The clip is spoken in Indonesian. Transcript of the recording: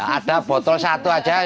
ada botol satu saja ya kreatif